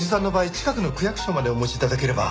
近くの区役所までお持ち頂ければ。